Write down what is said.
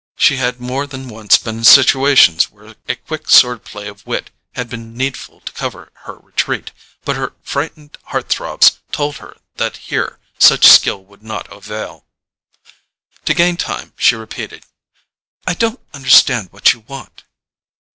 She had more than once been in situations where a quick sword play of wit had been needful to cover her retreat; but her frightened heart throbs told her that here such skill would not avail. To gain time she repeated: "I don't understand what you want."